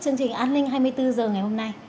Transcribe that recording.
chương trình an ninh hai mươi bốn h ngày hôm nay